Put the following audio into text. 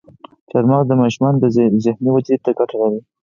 چارمغز د ماشومانو ذهني ودې ته ګټه لري.